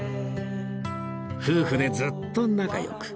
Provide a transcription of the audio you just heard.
夫婦でずっと仲良く